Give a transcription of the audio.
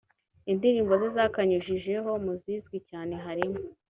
Indirimbo ze zakanyujijeho mu zizwi cyane harimo